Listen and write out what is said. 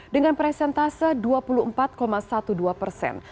dengan presentase dua puluh empat dua belas persen